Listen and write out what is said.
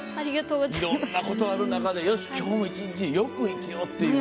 いろんなことがある中でよし、今日も１日よく生きようっていう。